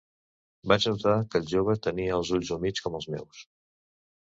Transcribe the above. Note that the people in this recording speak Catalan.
Vaig notar que el jove tenia els ulls humits, com els meus.